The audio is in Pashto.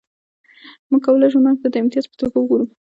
موږ کولای شو مرګ ته د امتیاز په توګه وګورو